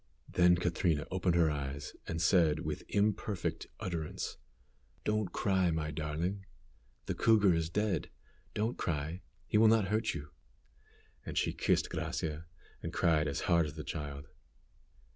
Then Catrina opened her eyes, and said, with imperfect utterance, "Don't cry, my darling. The cougar is dead. Don't cry; he will not hurt you." And she kissed Gracia, and cried as hard as the child.